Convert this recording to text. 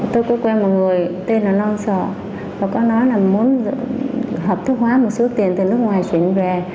tôi có quen một người tên là lo sợ và có nói là muốn hợp thức hóa một số tiền từ nước ngoài chuyển về